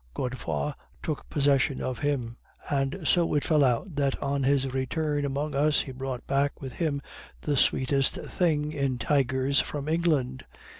Godefroid took possession of him; and so it fell out that on his return among us he brought back with him the sweetest thing in tigers from England.